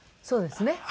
そうですね。